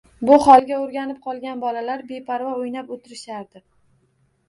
Bu holga o`rganib qolgan bolalar beparvo o`ynab o`tirishardi